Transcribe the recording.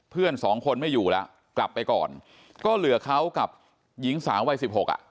เพื่อนสองคนไม่อยู่แล้วกลับไปก่อนก็เหลือเขากับหญิงสาววัยสิบหกอ่ะ